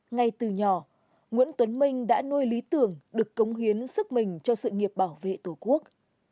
ngay từ nhỏ nguyễn tuấn minh đã nuôi lý tưởng được cống hiến sức mình cho sự nghiệp bảo vệ tổ quốc